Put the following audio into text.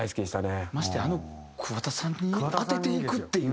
ましてあの桑田さんに当てていくっていう。